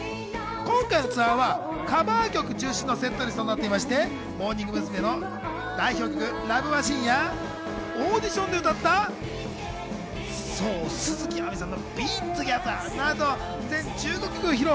今回のツアーはカバー曲が中心のセットリストになっていまして、モーニング娘。の代表曲『ＬＯＶＥマシーン』や、オーディションで歌った、そう鈴木亜美さんの『ＢＥＴＯＧＥＴＨＥＲ』など全１５曲を披露。